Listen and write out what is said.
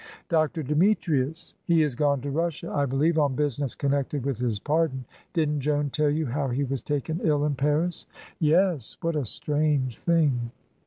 "Dr. Demetrius!" "He has gone to Russia, I believe, on business connected with his pardon. Didn't Joan tell you how he was taken ill in Paris?" "Yes; what a strange thing!"